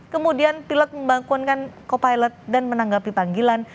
kemudian pilot membangunkan kopilot dan menanggapi panggilan